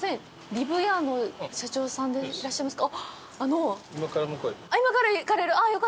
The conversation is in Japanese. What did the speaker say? りぶやの社長さんでいらっしゃいますか。